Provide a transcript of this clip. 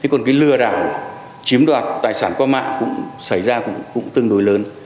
thế còn cái lừa đảo chiếm đoạt tài sản qua mạng cũng xảy ra cũng tương đối lớn